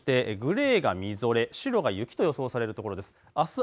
水色や青が雨、そしてグレーがみぞれ、白が雪と予想されるところです。